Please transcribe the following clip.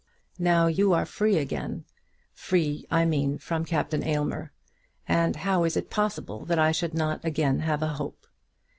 Now you are free again, free, I mean, from Captain Aylmer; and how is it possible that I should not again have a hope?